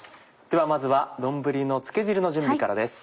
ではまずは丼の漬け汁の準備からです。